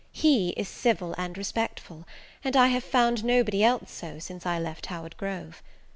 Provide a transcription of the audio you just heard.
He is civil and respectful, and I have found nobody else so since I left Howard Grove.